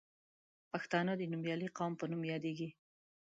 پښتانه د نومیالي قوم په نوم یادیږي.